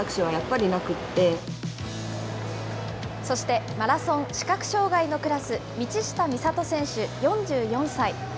そして、マラソン視覚障害のクラス、道下美里選手４４歳。